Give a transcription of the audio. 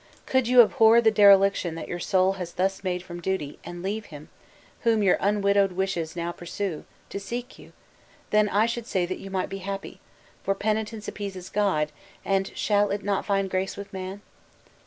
"Could you abhor the dereliction that your soul has thus made from duty, and leave him, whom your unwidowed wishes now pursue, to seek you; then I should say that you might be happy; for penitence appeases God, and shall it not find grace with man?"